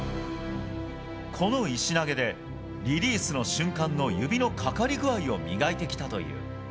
この石投げで、リリースの瞬間の指のかかり具合を磨いてきたという。